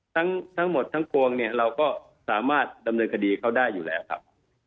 ทั้งหมดทั้งปวงเนี่ยเราก็สามารถดำเนินคดีเขาได้อยู่แล้วครับ